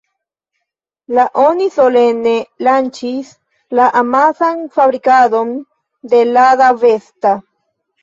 La oni solene lanĉis la amasan fabrikadon de Lada Vesta.